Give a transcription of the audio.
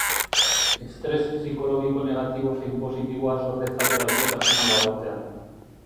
Estres psikologiko negatibo zein positiboa sor dezake gaixotasun hau agertzea.